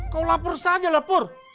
kau lapor saja pur